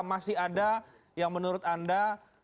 masih ada yang menurut anda